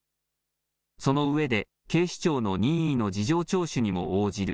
その上で、警視庁の任意の事情聴取にも応じる。